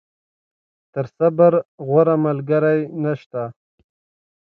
تر صبر، غوره ملګری نشته.